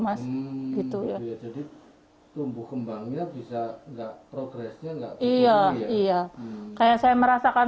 mas gitu ya jadi tumbuh kembangnya bisa nggak progresnya nggak iya iya kayak saya merasakan